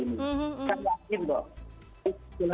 kan yakin mbak